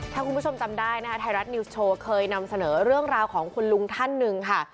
ถ้าคุณผู้ชมจำได้นะคะไทยรัฐนิวส์โชว์เคยนำเสนอเรื่องราวของคุณลุงท่านหนึ่งค่ะ